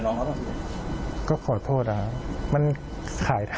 อยากจะขอโทษเลยเนี่ยน้องเขา